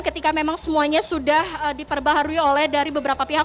ketika memang semuanya sudah diperbaharui oleh dari beberapa pihak